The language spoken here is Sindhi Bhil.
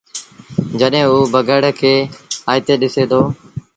جڏهيݩٚ اوٚ بگھڙ کي آئيٚتي ڏسي دو